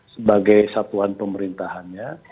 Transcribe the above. sebagai satuan pemerintahannya